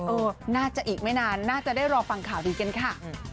เออน่าจะอีกไม่นานน่าจะได้รอฟังข่าวดีกันค่ะ